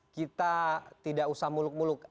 kita tidak usah muluk muluk